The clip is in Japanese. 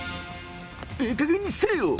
ええかげんにせいよ！